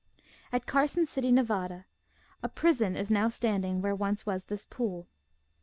At Carson City, Nevada, a prison is now stand ing where once was this pool.